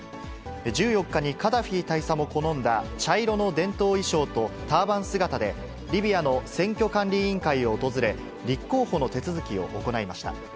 １４日にカダフィ大佐も好んだ茶色の伝統衣装と、ターバン姿で、リビアの選挙管理委員会を訪れ、立候補の手続きを行いました。